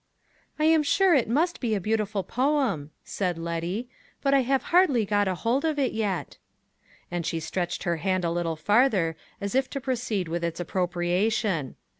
"I am sure it must be a beautiful poem," said Letty; "but I have hardly got a hold of it yet." And she stretched her hand a little farther, as if to proceed with its appropriation.